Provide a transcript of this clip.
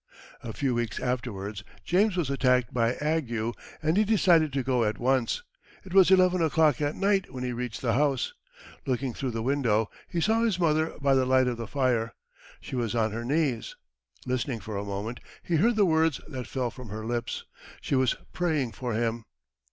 A few weeks afterwards, James was attacked by ague, and he decided to go at once. It was eleven o'clock at night when he reached the house. Looking through the window, he saw his mother by the light of the fire. She was on her knees. Listening for a moment, he heard the words that fell from her lips. She was praying for him.